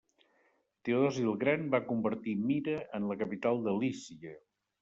Teodosi el gran va convertir Mira en la capital de Lícia.